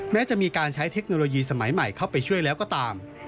แม้จะมีการใช้เทคโนโลยีสมัยใหม่เข้าไปช่วยแล้วก็ตาม